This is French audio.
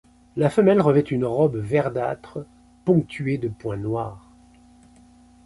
La femelle revêt une robe verdâtre ponctuée de points noirs.